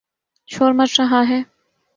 شور مچ رہا ہے۔